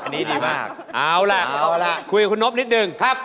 เอาล่ะคุยกับคุณนบนิดหนึ่ง